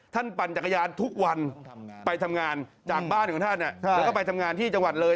ปั่นจักรยานทุกวันไปทำงานจากบ้านของท่านแล้วก็ไปทำงานที่จังหวัดเลย